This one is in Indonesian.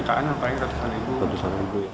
ratusan ribu ya